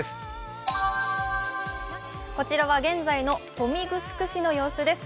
こちらは現在の豊見城市の様子です。